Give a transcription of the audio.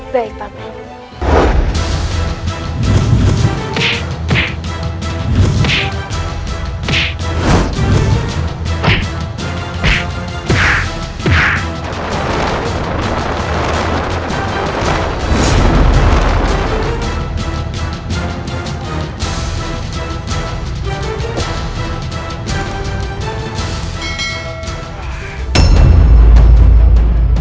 baik pak man